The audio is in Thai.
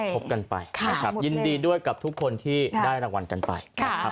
ทบกันไปยินดีด้วยกับทุกคนที่ได้รางวัลกันไป